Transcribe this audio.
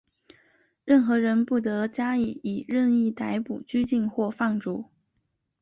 任何人不得加以任意逮捕、拘禁或放逐。